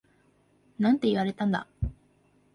なんて言われたんだ？